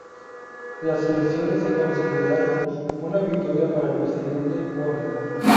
Las elecciones se consideraron una victoria para el presidente Boni.